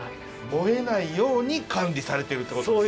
燃えないように管理されてるってことですか。